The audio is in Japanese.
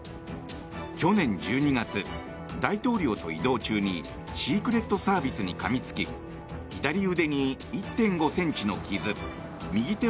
去年１２月、大統領と移動中にシークレットサービスにかみつき左腕に１．５ｃｍの傷右手